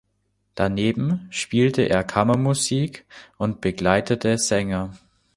Daneben spielte er Kammermusik und begleitete Sänger.